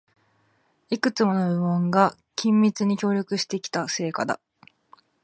いくつもの部門が緊密に協力してきた成果だ